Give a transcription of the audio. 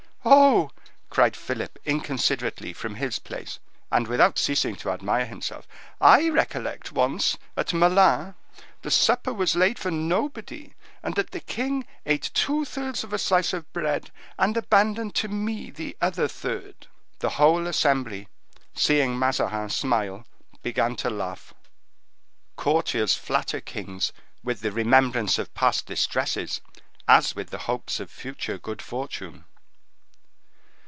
"Oh!" cried Philip, inconsiderately, from his place, and without ceasing to admire himself,—"I recollect once, at Melun, the supper was laid for nobody, and that the king ate two thirds of a slice of bread, and abandoned to me the other third." The whole assembly, seeing Mazarin smile, began to laugh. Courtiers flatter kings with the remembrance of past distresses, as with the hopes of future good fortune.